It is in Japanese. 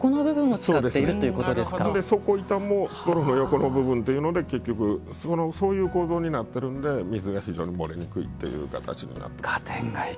底板もストローの横の部分というので結局、そういう構造になっているんで水が非常に漏れにくいっていう形になっています。